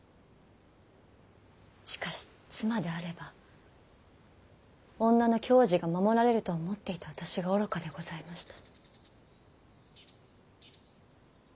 しかし妻であれば女の矜持が守られると思っていた私が愚かでございました。